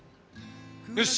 よし！